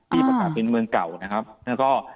ประกาศเป็นเมืองเก่านะครับแล้วก็